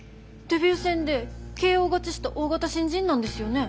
デビュー戦でＫＯ勝ちした大型新人なんですよね？